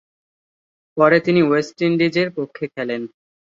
পরে তিনি ওয়েস্ট ইন্ডিজের পক্ষে খেলেন।